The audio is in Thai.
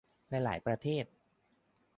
ในหลายประเทศ